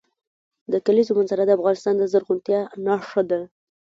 د کلیزو منظره د افغانستان د زرغونتیا نښه ده.